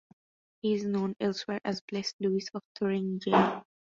He is known elsewhere as Blessed Louis of Thuringia.